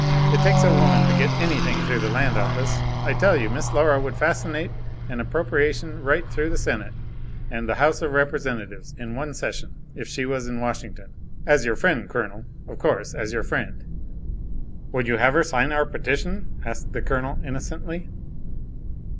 It takes a woman to get any thing through the Land Office: I tell you, Miss Laura would fascinate an appropriation right through the Senate and the House of Representatives in one session, if she was in Washington, as your friend, Colonel, of course as your friend." "Would you have her sign our petition?" asked the Colonel, innocently.